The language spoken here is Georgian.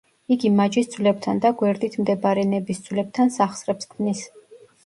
იგი მაჯის ძვლებთან და გვერდით მდებარე ნების ძვლებთან სახსრებს ქმნის.